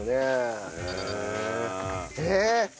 えっ？